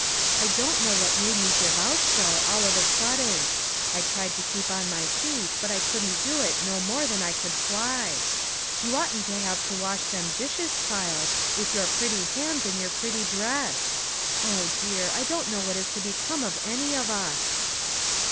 I don't know what made me give out so, all of a sudden. I tried to keep on my feet, but I couldn't do it no more than I could fly. You oughtn't to have to wash them dishes, child, with your pretty hands and your pretty dress. Oh, dear ! I don't know what is to become of any of us."